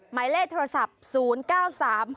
หมายเลขโทรศัพย์๐๙๓๖๒๗๑๘๕๓นะคะ